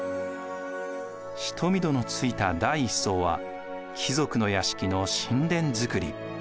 蔀戸のついた第１層は貴族の屋敷の寝殿造。